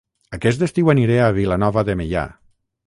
Aquest estiu aniré a Vilanova de Meià